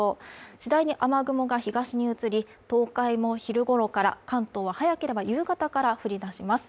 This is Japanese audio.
次第に雨雲が東に移り、東海も昼頃から、関東は早ければ夕方から降り出します。